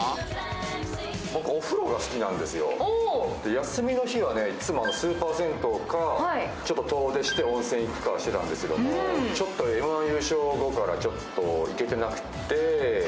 休みのには、いつもスーパー銭湯かちょっと遠出して温泉行くかしてたんですけど、Ｍ−１優勝後から行けてなくて。